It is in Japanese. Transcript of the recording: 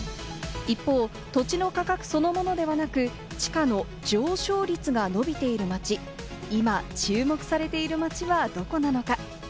一方、土地の価格そのものではなく、地価の上昇率が伸びている街、今注目されている街はどこなのか？